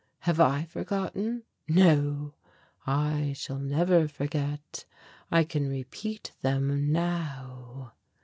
Have I forgotten ? No, I shall never forget. I can repeat them now."